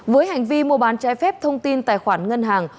với hành vi mua bán trái phép thông tin tài khoản ngân hàng